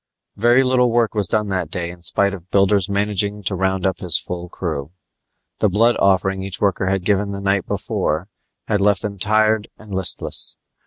Very little work was done that day in spite of Builder's managing to round up his full crew. The blood offering each worker had given the night before had left them tired and listless.